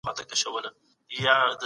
پلورونکي د خپلو توکو اعلانونه کوي.